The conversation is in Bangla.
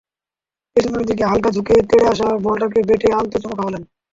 পেছনের দিকে হালকা ঝুঁকে তেড়ে আসা বলটাকে ব্যাটে আলতো চুমু খাওয়ালেন।